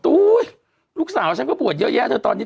ลูกสาวฉันก็บวชเยอะแยะเธอตอนนี้